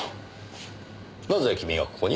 なぜ君がここに？